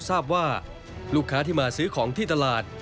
ทราบว่าลูกค้าที่มาซื้อของที่ตลาด